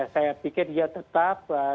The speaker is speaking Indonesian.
saya pikir dia tetap